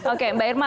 oke mbak irma